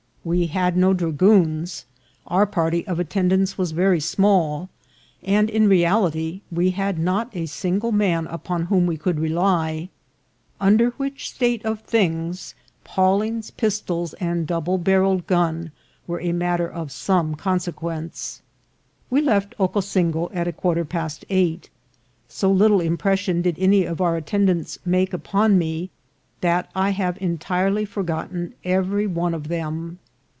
We had no dragoons, our party of at tendants was very small, and, in reality, we had not a single man upon Whom we could rely ; under which state of things Pawling's pistols and double barrelled gun were a matter of some consequence. We left Ocosingo at a quarter past eight. So little impression did any of our attendants make upon me, that I have entirely forgotten every one of them.